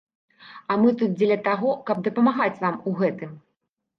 А мы тут дзеля таго, каб дапамагаць вам у гэтым.